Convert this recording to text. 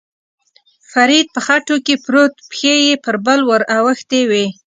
فرید په خټو کې پروت، پښې یې پر پل ور اوښتې وې.